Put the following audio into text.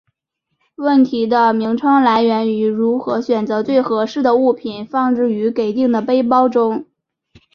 问题的名称来源于如何选择最合适的物品放置于给定背包中。